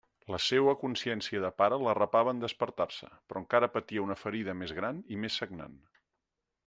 La seua consciència de pare l'arrapava en despertar-se, però encara patia una ferida més gran i més sagnant.